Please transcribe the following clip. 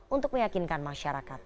untuk meyakinkan masyarakat